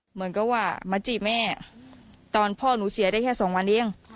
เหมือนกับว่ามาจีบแม่ตอนพ่อหนูเสียได้แค่สองวันนี้เอง